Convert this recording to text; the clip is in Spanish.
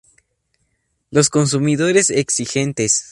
Los consumidores exigentes.